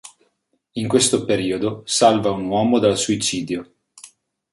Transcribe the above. In questo periodo salva un uomo dal suicidio.